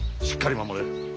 しっかり守れ。